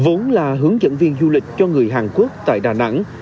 vốn là hướng dẫn viên du lịch cho người hàn quốc tại đà nẵng